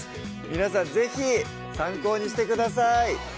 皆さん是非参考にしてください